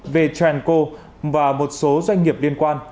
về tranco và một số doanh nghiệp liên quan